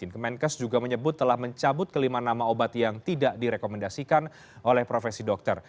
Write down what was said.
kemenkes juga menyebut telah mencabut kelima nama obat yang tidak direkomendasikan oleh profesi dokter